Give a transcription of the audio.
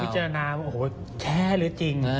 ต้องนั่งพิจารณาว่าแค่หรือจริง